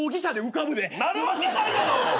なるわけないやろ！